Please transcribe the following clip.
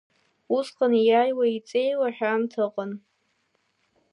Усҟан ииааиуа-еиҵеиуа ҳәа аамҭа ыҟан.